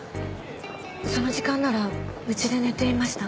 その時間ならうちで寝ていました。